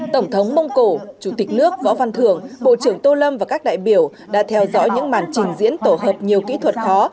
tổng thống mông cổ chủ tịch nước võ văn thường bộ trưởng tô lâm và các đại biểu đã theo dõi những màn trình diễn tổ hợp nhiều kỹ thuật khó